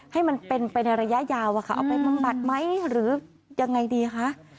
ให้มันเป็นไปในระยะยาวเอาไปบำบัดไหมหรือยังไงดีคะ